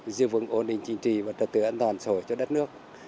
giữ vững ổn định chính trị và trật tự an toàn xã hội cho đất nước